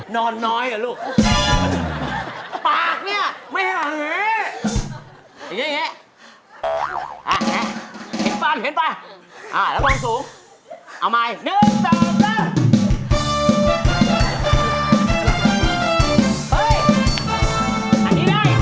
นอนน้อยเหรอลูกปากเนี่ยไม่หาเหอย่างเงี้ยอ่ะเห็นปั้นเห็นปั้นอ่าแล้วก็สูงเอาใหม่หนึ่งสามสาม